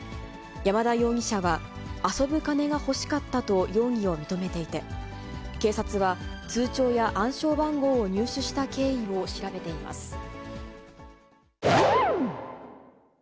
山田容疑者は、遊ぶ金が欲しかったと容疑を認めていて、警察は、通帳や暗証番号を入手した経緯を調べています。